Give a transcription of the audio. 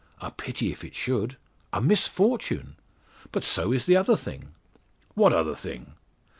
A pity if it should a misfortune! But so is the other thing." "What other thing?"